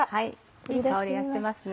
いい香りがしてますね。